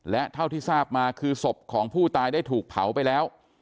และเท่าที่ทราบมาคือศพของผู้ตายได้ถูกเผาไปแล้ว